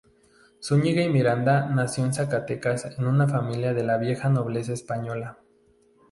Zúñiga y Miranda nació en Zacatecas en una familia de la vieja nobleza española.